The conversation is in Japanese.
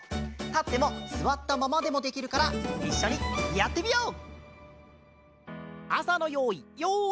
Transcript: たってもすわったままでもできるからいっしょにやってみよう！